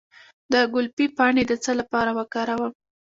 د ګلپي پاڼې د څه لپاره وکاروم؟